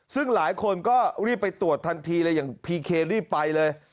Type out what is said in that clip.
ซึ่งหลายคนก็รีบไปตรวจทันทีเลยอย่างพีเครีบไปเลย